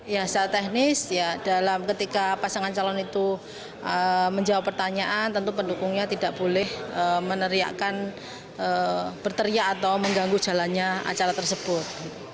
ya secara teknis ya dalam ketika pasangan calon itu menjawab pertanyaan tentu pendukungnya tidak boleh meneriakan berteriak atau mengganggu jalannya acara tersebut